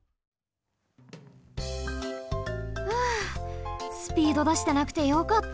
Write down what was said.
ふうスピードだしてなくてよかった。